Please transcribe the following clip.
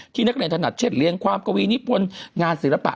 นักเรียนถนัดเช่นเลี้ยงความกวีนิพลงานศิลปะ